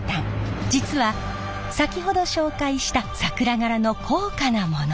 実は先ほど紹介した桜柄の高価なもの。